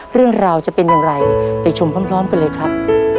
เรื่องราวจะเป็นอย่างไรไปชมพร้อมกันเลยครับ